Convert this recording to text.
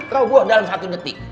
roboh dalam satu detik